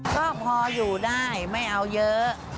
ก็พออยู่ได้ไม่เอาเยอะ